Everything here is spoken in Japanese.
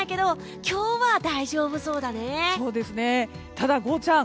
ただ、ゴーちゃん。